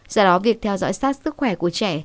do đó việc theo dõi sát sức khỏe của trẻ